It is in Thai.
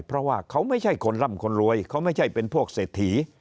เพราะว่าเขาไม่ใช่คนร่ำคนรวยเขาไม่ใช่เป็นพวกเศรษฐี